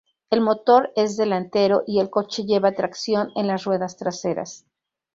El motor es delantero y el coche lleva tracción en las ruedas traseras.